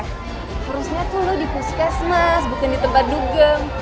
harusnya tuh lo di puskesmas bukan di tempat dugeng